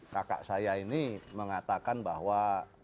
kakak saya ini mengatakan bahwa